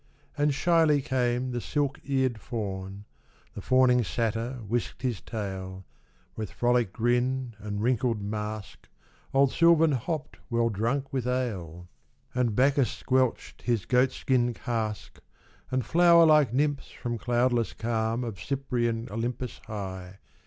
And shyly came the silk eared Faun, The fawning Satyr whisked his tail, With frolic grin and wrinkled mask. Old Sylvan hopped well drunk with ale. And Bacchus squelched his goat skin cask. And flower like nymphs from cloudless calm Of Cyprian Olympus high.